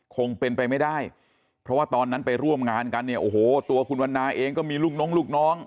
คงเป็นไปไม่ได้เพราะว่าตอนนั้นไปร่วมงานกันเนี่ยโอ้โหตัวคุณวันนาเองก็มีลูกน้องลูกน้อง